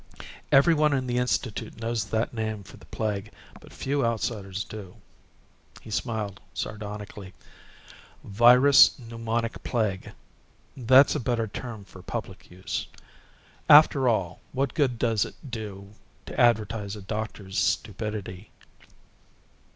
Everyone in the Institute knows that name for the plague, but few outsiders do." He smiled sardonically. "Virus pneumonic plague that's a better term for public use. After all, what good does it do to advertise a doctor's stupidity?"